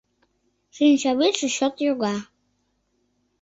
Шинчавӱдшӧ чот йога